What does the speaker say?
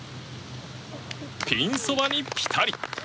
ピンそばにピタリ！